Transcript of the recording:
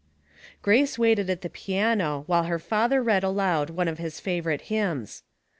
Grace waited at the piano while her father read aloud one of his favorite hymns.